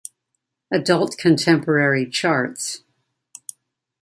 Adult Contemporary Charts.